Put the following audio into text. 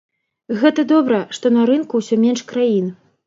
Гэта добра, што на рынку ўсё менш краін.